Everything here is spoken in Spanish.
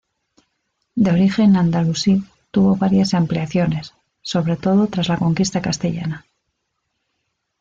De origen andalusí, tuvo varias ampliaciones, sobre todo tras la conquista castellana.